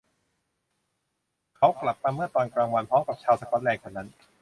เขากลับมาเมื่อตอนกลางวันพร้อมกับชาวสก็อตแลนด์คนนั้น